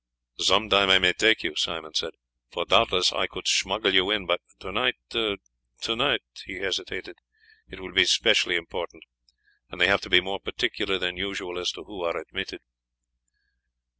"Some time I may take you," Simon said, "for doubtless I could smuggle you in; but to night " and he hesitated, "to night it will be specially important, and they have to be more particular than usual as to who are admitted."